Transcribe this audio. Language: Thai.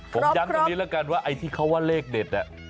ผมย้ำตรงนี้แล้วกันว่าไอ้ที่เขาว่าเลขเด็ด